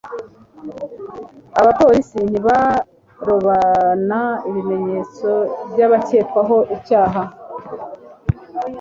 abapolisi ntibarabona ibimenyetso by'abakekwaho icyaha